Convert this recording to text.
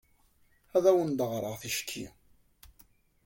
Ad awent-d-ɣreɣ ticki?